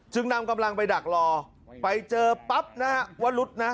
นำกำลังไปดักรอไปเจอปั๊บนะฮะวรุษนะ